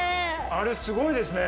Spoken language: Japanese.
あれすごいですね。